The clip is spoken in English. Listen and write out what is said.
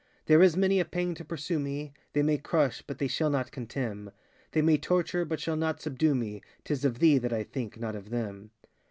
There is many a pang to pursue me: They may crush, but they shall not contemnŌĆö They may torture, but shall not subdue meŌĆö ŌĆÖTis of _thee _that I thinkŌĆönot of them.